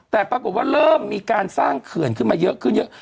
แต่ปรากฏว่าเริ่มมีการสร้างเขื่อนขึ้นมาเยอะขึ้นเยอะ